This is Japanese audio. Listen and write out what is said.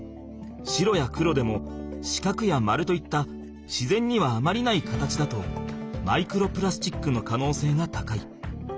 白や黒でも四角や丸といった自然にはあまりない形だとマイクロプラスチックの可能性が高い。